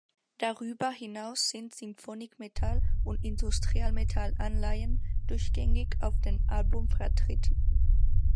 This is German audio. Darüber hinaus sind Symphonic-Metal- und Industrial-Metal-Anleihen durchgängig auf dem Album vertreten.